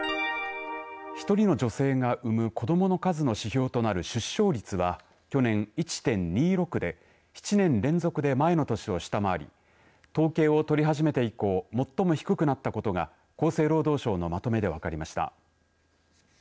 １人の女性が産む子どもの数の指標となる出生率は去年１．２６で７年連続で前の年を下回り統計を取り始めて以降最も低くなったことが厚生労働省のまとめで分かりました。